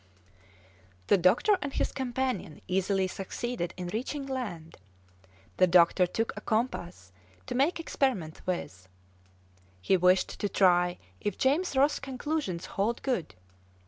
The doctor and his companion easily succeeded in reaching land; the doctor took a compass to make experiments with. He wished to try if James Ross's conclusions hold good.